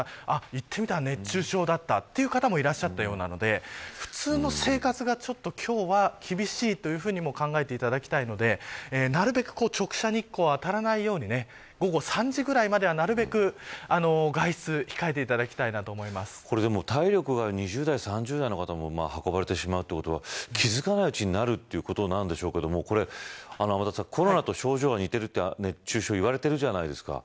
いってみたら熱中症だったという方もいらっしゃったようなので普通の生活がちょっと今日は厳しいというふうにも考えていただきたいのでなるべく直射日光が当たらないように午後３時ぐらいまでは、なるべく外出を控えていただきたいな体力が２０代、３０代の方も運ばれてしまうということは気付かないうちになるということなんでしょうけれどもコロナと症状が似ていると熱中症は言われているじゃないですか。